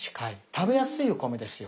食べやすいお米ですよ。